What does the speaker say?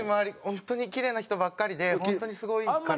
本当にキレイな人ばっかりで本当にすごいから。